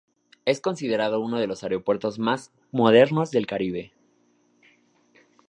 Es considerado uno de los aeropuertos más modernos del Caribe.